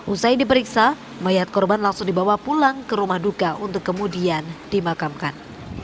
usai diperiksa mayat korban langsung dibawa pulang ke rumah duka untuk kemudian dimakamkan